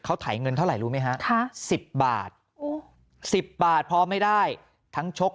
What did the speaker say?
เขาถ่ายเงินเท่าไหร่รู้ไหมฮะ๑๐บาท๑๐บาทพอไม่ได้ทั้งชก